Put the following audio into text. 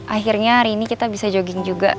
akhirnya hari ini kita bisa jogging juga